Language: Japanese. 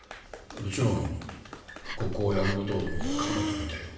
もちろんここをやることを考えてみたよ